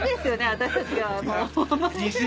私たちが。